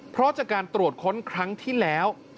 เพราะจากการตรวจค้นครั้งที่แล้ว